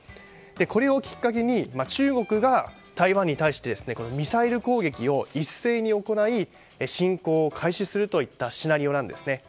これをきっかけに中国が台湾に対してミサイル攻撃を一斉に行い侵攻を開始するといったシナリオなんです。